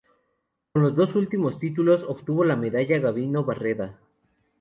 Con los dos últimos títulos, obtuvo la medalla Gabino Barreda.